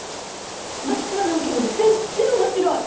松島なんかより全然面白い！